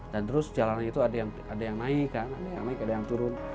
dan terus jalanan itu ada yang naik kan ada yang naik ada yang turun